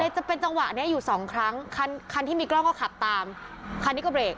จะเป็นจังหวะนี้อยู่สองครั้งคันที่มีกล้องก็ขับตามคันนี้ก็เบรก